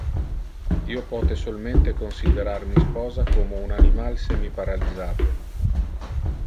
Io pote solmente considerar mi sposa como un animal semiparalysate.